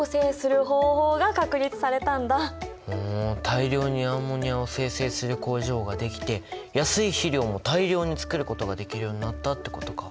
大量にアンモニアを生成する工場ができて安い肥料も大量につくることができるようになったってことか。